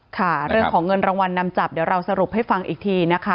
ค่ะเรื่องของเงินรางวัลนำจับเดี๋ยวเราสรุปให้ฟังอีกทีนะคะ